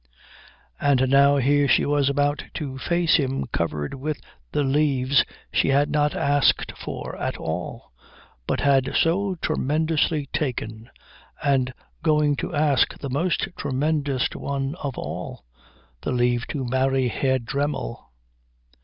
And now here she was about to face him covered with the leaves she had not asked for at all but had so tremendously taken, and going to ask the most tremendous one of all, the leave to marry Herr Dremmel.